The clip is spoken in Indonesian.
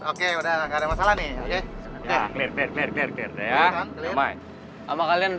oke udah gak ada masalah nih